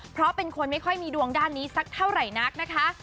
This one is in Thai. เพราะเป็นคนไม่ค่อยมีดวงด้านนี้สักเท่าไหร่นักนะคะ